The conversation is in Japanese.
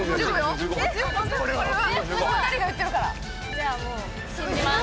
じゃあもう信じます。